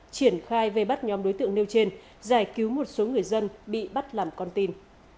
triển khai vây bắt nhóm đối tượng nêu trên giải cứu một số người dân bị bắt làm con tin